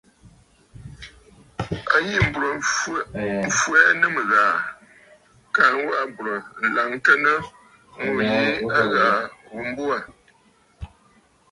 A yî m̀burə̀ m̀fwɛɛ nɨ mɨ̀ghàà kaa waʼà bùrə̀ laŋtə nɨ̂ ŋû yìi a ghàà ghu mbo aà.